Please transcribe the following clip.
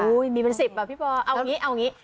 อุ้ยมีเป็นสิบอ่ะพี่ปอเอาอย่างงี้เอาอย่างงี้